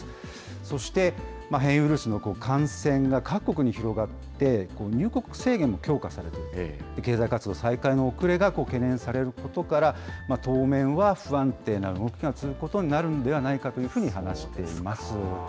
そして、変異ウイルスの感染が各国に広がって、入国制限も強化されていて、経済活動の再開の遅れが懸念されることから、当面は不安定な動きが続くことになるんではないかというふうに話しています。